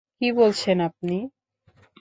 কী বলছেন আপনি?